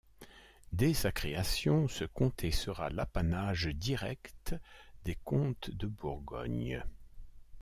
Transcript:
Dès sa création ce comté sera l'apanage direct des comtes de Bourgogne.